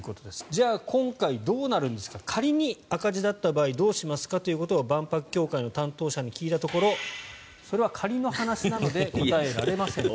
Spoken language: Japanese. じゃあ、今回どうなるんですか仮に赤字だった場合どうしますかということを万博協会の担当者に聞いたところそれは仮の話なので答えられませんと。